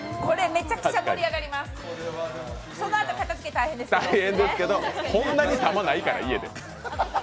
めちゃくちゃ盛り上がります、そのあと片づけ大変ですけどこんなに弾ないから、家で。